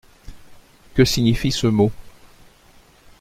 Que signifie ce mot ?